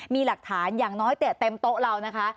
มีหลักฐานอย่างน้อยเตะเต็มโต๊ะเรานะคะ